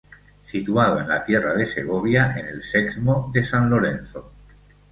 Situado en la Tierra de Segovia, en el Sexmo de San Lorenzo.